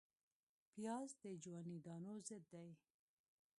پیاز د جواني دانو ضد دی